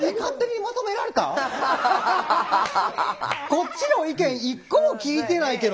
こっちの意見一個も聞いてないけど。